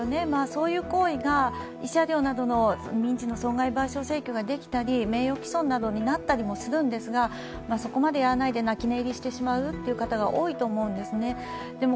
そういう行為が、慰謝料などの民事の損害賠償請求もできたり名誉毀損になったりもするんですが、そこまでやらないで泣き寝入りしてしまう方が多いと思うんですね。